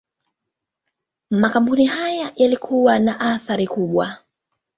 Makampuni haya yalikuwa na athira kubwa.